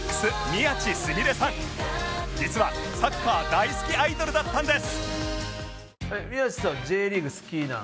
実はサッカー大好きアイドルだったんです